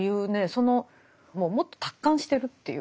そのもっと達観してるというか。